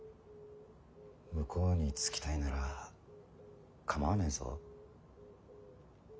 向こうにつきたいなら構わねえぞ。